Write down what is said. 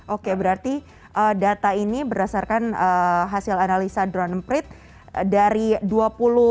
oke berarti data ini berdasarkan hasil analisa droneprint dari dua puluh tiga ya dua puluh tiga